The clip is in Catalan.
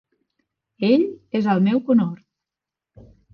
Ell és el meu conhort.